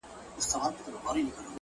سرې سرې سترګي هیبتناکه کوټه سپی ؤ,